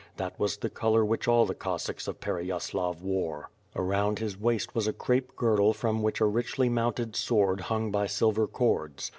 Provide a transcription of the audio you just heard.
That was the color which all the Cos sacks of Pereyaslav wore. Around his waist was a crape girdle from which a richly mounted sword hung by silver cords.